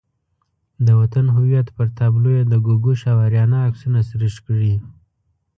د وطن هویت پر تابلو یې د ګوګوش او آریانا عکسونه سریښ کړي.